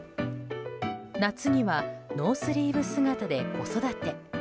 夏にはノースリーブ姿で子育て。